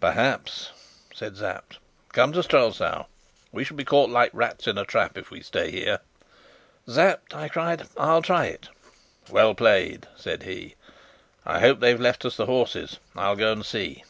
"Perhaps," said Sapt. "Come! to Strelsau! We shall be caught like rats in a trap if we stay here." "Sapt," I cried, "I'll try it!" "Well played!" said he. "I hope they've left us the horses. I'll go and see."